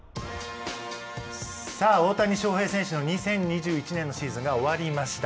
さあ大谷翔平選手の２０２１年のシーズンが終わりました。